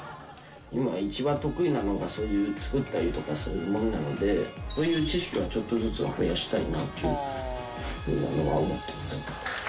今一番得意なのがそういう作ったりとかそういうものなのでそういう知識はちょっとずつは増やしたいなっていう風には思ってます。